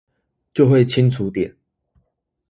就會清楚點